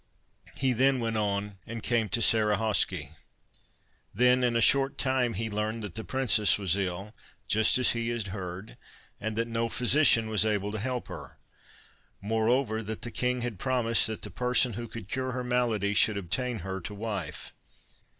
He then went on and came to Sarahawsky. Then in a short time he learnt that the princess was ill, just as he had heard, and that no physician was able to help her; moreover that the king had promised that the person who could cure her malady should obtain her to wife.